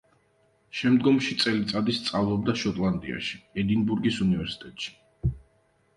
შემდგომში წელიწადი სწავლობდა შოტლანდიაში, ედინბურგის უნივერსიტეტში.